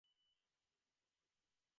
আমি শুরু করতে চাই!